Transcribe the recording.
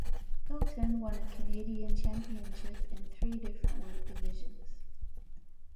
Hilton won a Canadian championship in three different weight divisions.